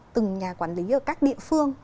từng nhà quản lý ở các địa phương